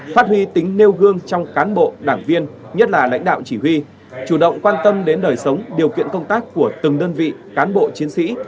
phát huy tính nêu gương trong cán bộ đảng viên nhất là lãnh đạo chỉ huy chủ động quan tâm đến đời sống điều kiện công tác của từng đơn vị cán bộ chiến sĩ